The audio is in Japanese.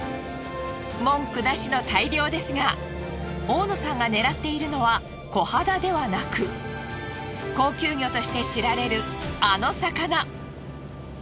文句なしの大漁ですが大野さんが狙っているのはコハダではなく高級魚として知られるあの魚。